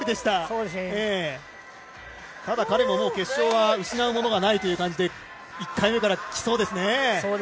ただ彼も、決勝は失うものがないという感じで１回目からきそうですね。